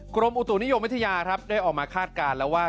กรมอุตุนิยมวิทยาครับได้ออกมาคาดการณ์แล้วว่า